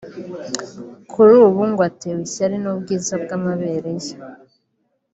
kuri ubu ngo atewe ishyari n’ubwiza bw’amabere ye